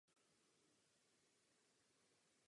Toto postihlo i všechny další zúčastněné.